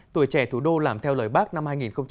tuổi trẻ thủ đô làm theo lời bác năm hai nghìn hai mươi